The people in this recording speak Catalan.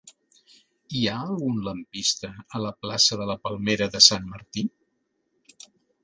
Hi ha algun lampista a la plaça de la Palmera de Sant Martí?